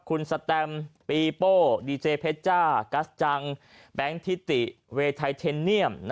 คุณสแตมปีโป้ดีเจเพชจ้ากัสจังแบงค์ทิติเวย์ไทเทนเนียม